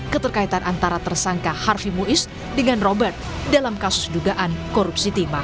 keterkaitan antara tersangka harfi muiz dengan robert dalam kasus dugaan korupsi timah